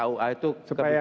kua itu kebijakan